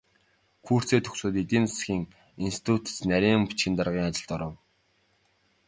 Курсээ төгсөөд эдийн засгийн институцэд нарийн бичгийн даргын ажилд оров.